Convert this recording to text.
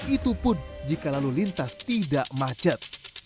itu pun jika lalu lintas tidak macet